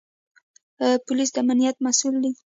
پولیس د امنیت مسوول دی